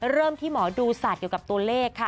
เริ่มที่หมอดูสัตว์เกี่ยวกับตัวเลขค่ะ